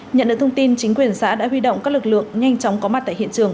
nhận được thông tin chính quyền xã đã huy động các lực lượng nhanh chóng có mặt tại hiện trường